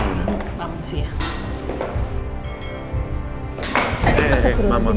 kamu bener masih kuat